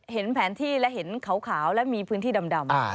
เห็นแผนที่และเห็นขาวและมีพื้นที่ดำ